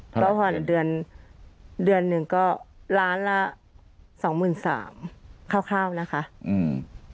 ก็ผ่อนเดือนเดือนหนึ่งก็ล้านละสองหมื่นสามคร่าวคร่าวนะคะอืม